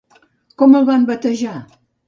Com el van batejar?